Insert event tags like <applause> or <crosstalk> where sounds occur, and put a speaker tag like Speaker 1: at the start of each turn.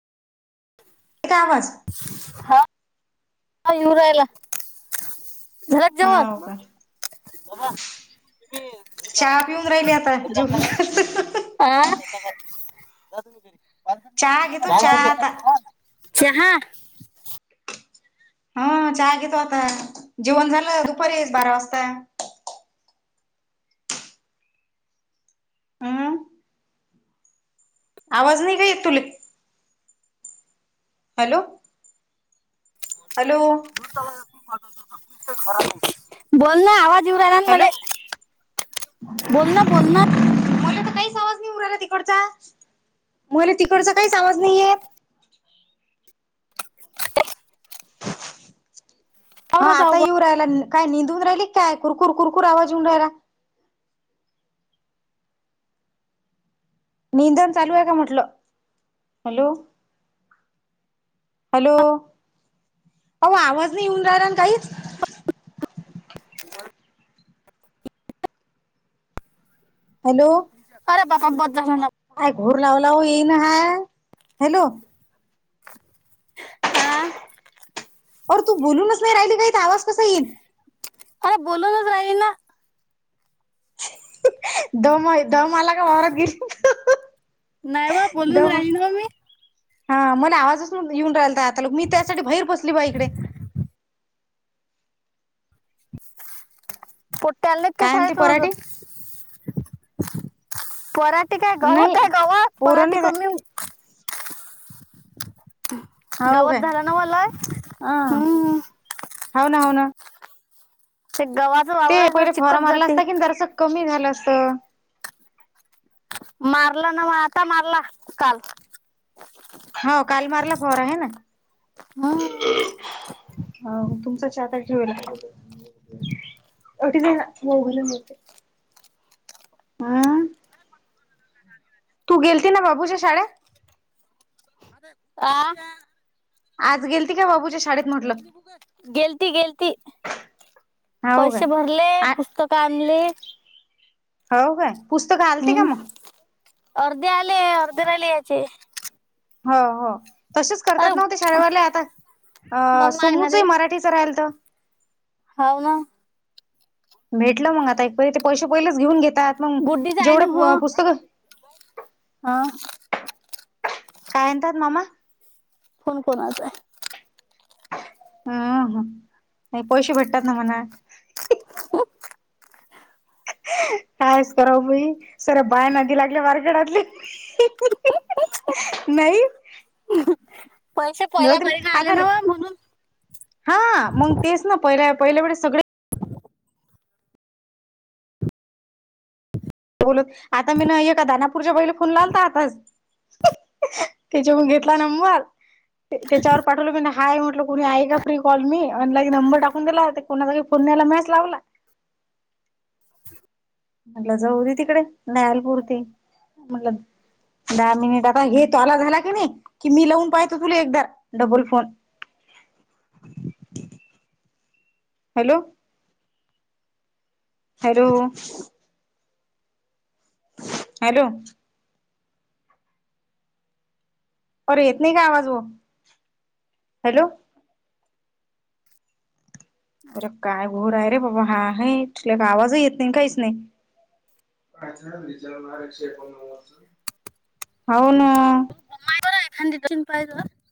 Speaker 1: एक आवाज
Speaker 2: हा ह इवरायला घरात जव
Speaker 1: हाव का? चहा पिऊन राहिली आता जेवन खत
Speaker 2: हा
Speaker 1: चहा घेतो चहा आता.
Speaker 2: <unintelligible> चहा
Speaker 1: हा चहा घेतो आता जेवण झालं दुपारी येस बारा वाजता हम्म. आवाज नाही काय य तुला हॅलो हॅलो
Speaker 2: बोल ना आवाज
Speaker 1: हॅलो
Speaker 2: बोल ना बोल ना
Speaker 1: उडला तिकडचा मला तिकडचा काही आवाज नाहीयेत हा
Speaker 2: आवरत आहो
Speaker 1: आता
Speaker 2: बा.
Speaker 1: येऊ राहिला काय निंदून राहिली काय कुरकुर कुरकूर आवाज येऊन राहिला. निंदन चालू आहे का म्हटलं. हॅलो हॅलो अह आवाज नाही येऊन राहला ना काहीच
Speaker 2: <inaudible>
Speaker 1: हॅलो
Speaker 2: अर बापा ब
Speaker 1: काय घोर लावू लावू येईन हा हॅलो
Speaker 2: आ
Speaker 1: र तू बोलूनच नाही राहिली काही आवाज कसा येईल
Speaker 2: अरे बोलू नाच राही ना
Speaker 1: दम दम आला का वारात गेली
Speaker 2: नाही बा बोलून
Speaker 1: दम
Speaker 2: राहिल ना मी
Speaker 1: हा मला आवाजचून येऊन राहिलता आता लोक मी त्यासाठी बाहेर बसली बा इकडे
Speaker 2: पोट्टे आलेत का
Speaker 1: काय म्हणते पराठे
Speaker 2: शाळेतझ परा ठी काय
Speaker 1: नाही
Speaker 2: गवतय गवत
Speaker 1: पोरं
Speaker 2: पराठी
Speaker 1: नाही
Speaker 2: कमी
Speaker 1: हो काय
Speaker 2: गावात झाला ना मलाय
Speaker 1: ह
Speaker 2: हम्
Speaker 1: हो ना हो ना
Speaker 2: गवा
Speaker 1: ते पहिले फॉर मारला असता की जसं कमी झालं असतं
Speaker 2: मारलं ना म आता मारला काल
Speaker 1: हो कालमारला फार आहे ना
Speaker 2: हम्म
Speaker 1: ह तुमचा च त ठ वला अ जाण मोघलते तू गेलती ना बाबूच्याे शाळे
Speaker 2: आ
Speaker 1: आज गेलती का बाबूच्या शाळेत म्हटलं
Speaker 2: गेलती गेलती
Speaker 1: हा हो का
Speaker 2: ले पुस्तक आणनली
Speaker 1: हो काय पुस्तक घालते का मग
Speaker 2: अर्ध्या आली अर्धे राली अचे
Speaker 1: हो हो तसेच
Speaker 2: अरे
Speaker 1: करतात नव्हते शाळेवरला आता अ
Speaker 2: मम्मा आहे ना
Speaker 1: सोमूचे मराठी च राहिल तर
Speaker 2: होव ना
Speaker 1: भेटलं मग आता एक ते पैसे पहिलेच घेऊन घेतात मग
Speaker 2: गुड्डीच आहे ना हो
Speaker 1: जेवढं पुस्तक
Speaker 2: हा
Speaker 1: काय म्हतात मामा
Speaker 2: कोण कोणाच आहे
Speaker 1: हम ह नाही पैसेे भेटतात ना मना
Speaker 2: हो
Speaker 1: कायच कराव भाई सर बाय नदी लागल्या मार्केटातले नाही
Speaker 2: पैसे
Speaker 1: जाऊ
Speaker 2: पहिला
Speaker 1: दे
Speaker 2: भरी आले
Speaker 1: आता
Speaker 2: ना म्हणून
Speaker 1: हा मग तेच ना पहि पहिल्या सगळे बोलत आता मी नाहीय का दानापूरच्या वहिला फोन लावलता आताच तच्या मग घेतला नंबर त्याच्यावर पाठवलं म हाय म्हटलं क कोुणी आहे का फ्री कॉल मी ऑनलाई नंबर टाकून दिला होता कोुणाचा पुण्याला मॅच लावला म्हटलं जाऊ दे तिकडे नालपूरती म्हटल दहा मिनिट आता हे तो आला झाला की नाही की मी लावून पाहतो तुला एकदा डबल फोन हॅलो हॅर हॅलो और येत नाही का आवाज व हॅलो अरे काय घोर आहे रे बाबा हा आहेु आवाज येत नाही काहीच नाही हो ना
Speaker 2: त बम एख दिम पाय गला